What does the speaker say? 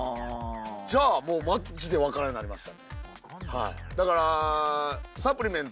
じゃあもうマジで分からなくなりました。